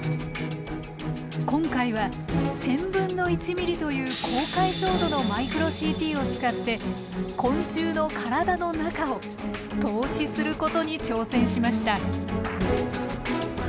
今回は１０００分の１ｍｍという高解像度のマイクロＣＴを使って昆虫の体の中を透視することに挑戦しました。